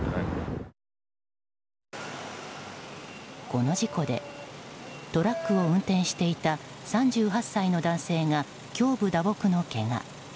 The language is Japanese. この事故で、トラックを運転していた３８歳の男性が胸部打撲のけが。